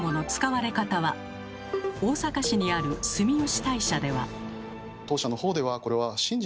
大阪市にある住吉大社では。